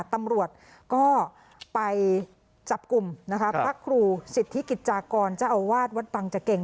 ตำรวจก็ไปจับกลุ่มนะคะพระครูสิทธิกิจจากรเจ้าอาวาสวัดบังจะเก่ง